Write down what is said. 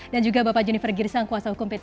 dan juga bapak junivers girsang kuasa hukum pt kcn